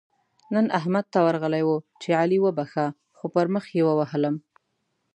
نن احمد ته ورغلی وو؛ چې علي وبښه - خو پر مخ يې ووهلم.